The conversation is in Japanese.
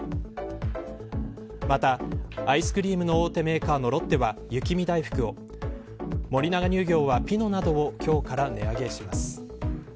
また、アイスクリームの大手メーカーのロッテは雪見だいふくを森永乳業はピノなどを今日から値上げします。